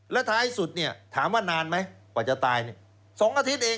และท้ายสุดถามว่านานไหมกว่าจะตาย๒อาทิตย์เอง